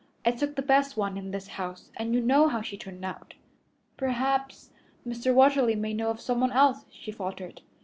I took the best one in this house, and you know how she turned out." "Perhaps Mr. Watterly may know of someone else," she faltered.